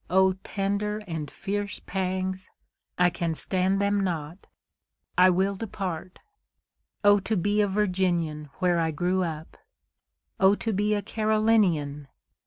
O tender and fierce pangs—I can stand them not—I will depart;O to be a Virginian, where I grew up! O to be a Carolinian!